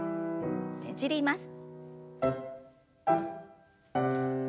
ねじります。